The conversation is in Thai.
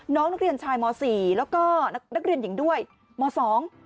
น้องนักเรียนชายมสี่แล้วก็นักนักเรียนหญิงด้วยมสอง